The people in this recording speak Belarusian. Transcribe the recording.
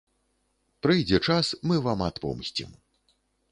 Прыйдзе час, мы вам адпомсцім.